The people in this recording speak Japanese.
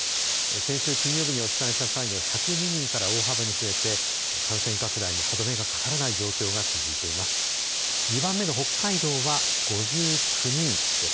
先週金曜日にお伝えした際には１０２人から大幅に増えて感染拡大に歯止めがかからない状況が続いています。